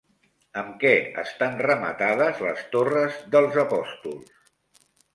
Amb què estan rematades les torres dels apòstols?